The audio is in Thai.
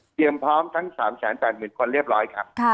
พร้อมทั้ง๓๘๐๐๐คนเรียบร้อยครับ